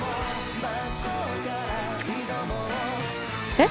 えっ？